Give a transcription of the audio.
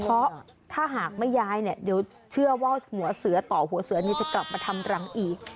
เพราะถ้าหากไม่ย้ายเนี่ยเดี๋ยวเชื่อว่าหัวเสือต่อหัวเสือนี่จะกลับมาทำรังอีก